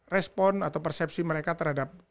respon atau persepsi mereka terhadap